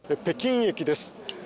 「北京駅です。